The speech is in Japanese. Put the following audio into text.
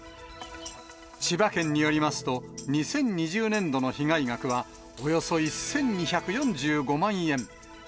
千葉県によりますと、２０２０年度の被害額は、およそ１２４５万円。